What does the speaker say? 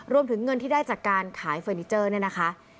รวมถึงเงินที่ได้จากการขายเฟอร์นิเจอร์เนี่ยนะคะ